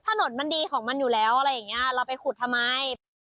ถนนมันดีของมันอยู่แล้วอะไรอย่างเงี้ยเราไปขุดทำไม